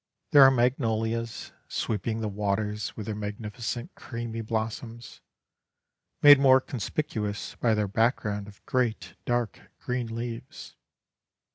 There are magnolias, sweeping the waters with their magnificent creamy blossoms, made more conspicuous by their background of great, dark green leaves.